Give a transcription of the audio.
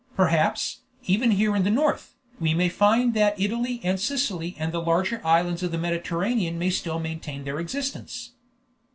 Perhaps, even here in the north, we may find that Italy and Sicily and the larger islands of the Mediterranean may still maintain their existence."